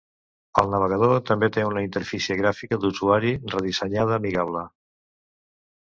El navegador també té una interfície gràfica d'usuari redissenyada amigable.